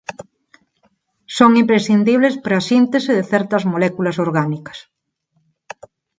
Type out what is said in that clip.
Son imprescindibles para a síntese de certas moléculas orgánicas.